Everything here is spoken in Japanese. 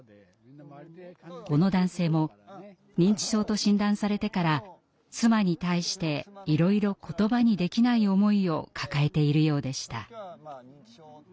この男性も認知症と診断されてから妻に対していろいろ言葉にできない思いを抱えているようでした。